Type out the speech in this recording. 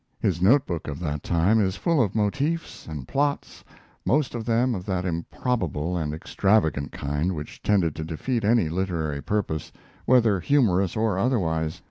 His note book of that time is full of motifs and plots, most of them of that improbable and extravagant kind which tended to defeat any literary purpose, whether humorous or otherwise.